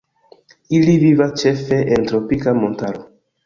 Ili vivas ĉefe en tropika montaro.